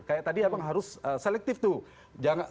kayak tadi abang harus selektif tuh